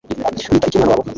bita iki umwana wabo